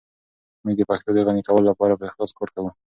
موږ د پښتو د غني کولو لپاره په اخلاص کار کوو.